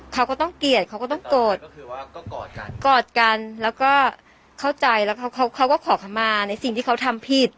เขาก็ต้องเกลียดเขาก็ต้องโกรธก็คือว่ากอดกันแล้วก็เข้าใจแล้วเขาก็ขอคำมาในสิ่งที่เขาทำผิด